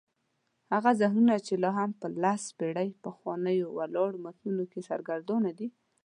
هغه ذهنونه چې لا هم په لس پېړۍ پخوانیو ولاړو متونو کې سرګردانه دي.